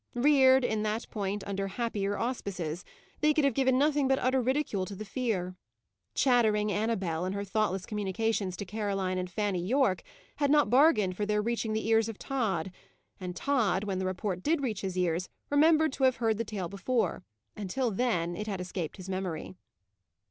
Reared, in that point, under happier auspices, they could have given nothing but utter ridicule to the fear. Chattering Annabel, in her thoughtless communications to Caroline and Fanny Yorke, had not bargained for their reaching the ears of Tod; and Tod, when the report did reach his ears, remembered to have heard the tale before; until then it had escaped his memory.